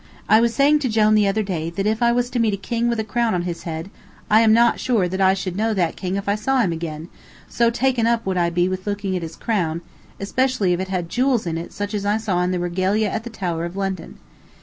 I was saying to Jone the other day that if I was to meet a king with a crown on his head I am not sure that I should know that king if I saw him again, so taken up would I be with looking at his crown, especially if it had jewels in it such as I saw in the regalia at the Tower of London.